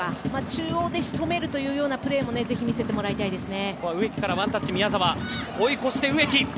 中央でしとめるというプレーをぜひ見せてもらいたいですね。